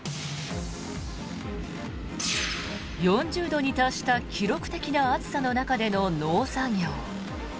４０度に達した記録的な暑さの中での農作業。